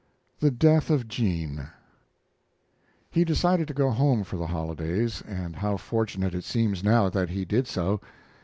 THE DEATH OF JEAN He decided to go home for the holidays, and how fortunate it seems now that he did so!